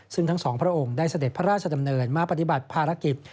ซึ่งทั้งสองพระองค์ได้เสด็จพระราชดำเนินมาปฏิบัติภารกิจ